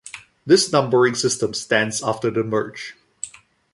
This numbering system stands after the merge.